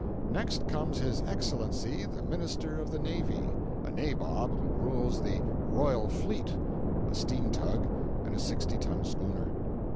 Next comes his Excellency the Minister of the Navy—a nabob who rules the "royal fleet," (a steam tug and a sixty ton schooner.)